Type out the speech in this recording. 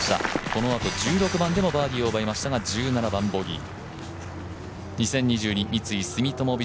このあと１６番でもバーディーを奪いましたが、１７番ではボギー。